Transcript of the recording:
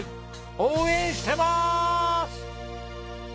応援してます！